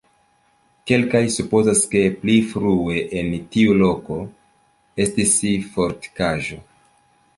Kelkaj supozas, ke pli frue en tiu loko estis fortikaĵo.